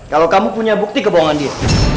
kalau kamu punya bukti kebohongan dia